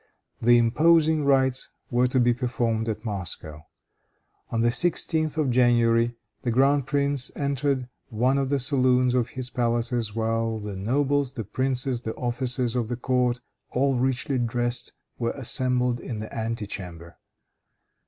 The imposing rites were to be performed at Moscow. On the 16th of January, the grand prince entered one of the saloons of his palaces while the nobles, the princes, the officers of the court, all richly dressed, were assembled in the ante chamber.